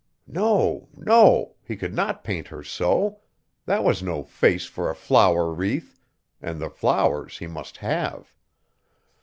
No! no! He could not paint her so. That was no face for a flower wreath and the flowers he must have!